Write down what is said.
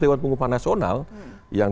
dewan pengupahan nasional yang